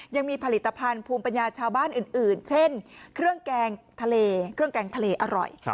ยังมีผลิตภัณฑ์ภูมิปัญญาชาวบ้านอื่นเช่นเครื่องแกงทะเลเครื่องแกงทะเลอร่อย